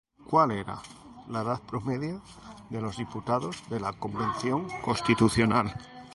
¿Cuál era la edad promedia de los diputados de la Convención Constitucional?